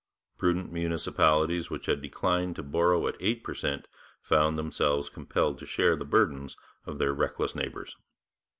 Prudent municipalities which had declined to borrow at eight per cent found themselves compelled to share the burdens of their reckless neighbours.